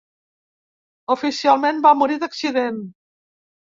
Oficialment, va morir d'accident.